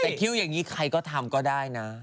แต่คิ้วอย่างนี้ใครก็ทำก็ได้นะ